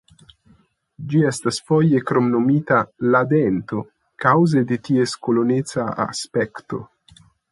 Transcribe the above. Ĝi estas foje kromnomita "la dento" kaŭze de ties koloneca aspekto.